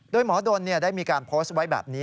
โดยหมอดนได้มีการโพสต์ไว้แบบนี้